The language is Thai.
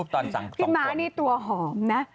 พี่ม้านี่ตัวหอมนะ